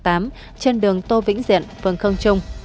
trên đường tô vĩnh diện phường khương trung